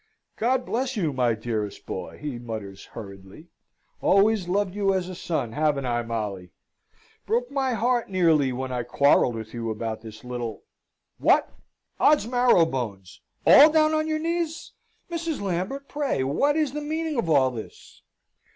"God bless you, my dearest boy!" he mutters hurriedly. "Always loved you as a son haven't I, Molly? Broke my heart nearly when I quarrelled with you about this little What! odds marrowbones! all down on your knees! Mrs. Lambert, pray what is the meaning of all this?"